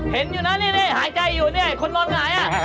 เห็นอยู่นะนี่หายใจอยู่นี่คนร้อนไหง